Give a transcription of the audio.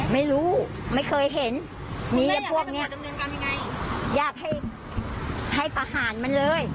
ไม่รู้ไม่เคยเห็นมีพวกเนี่ยอยากให้ประหารมันเลย